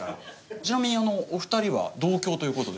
ちなみにお二人は同郷という事で？